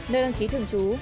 nơi đăng ký thường chú